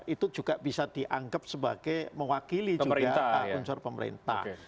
itu juga bisa dianggap sebagai mewakili juga unsur pemerintah